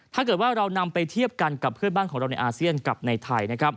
ถ้าเกิดว่าเรานำไปเทียบกันกับเพื่อนบ้านของเราในอาเซียนกับในไทย